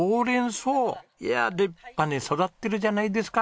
いやあ立派に育ってるじゃないですか！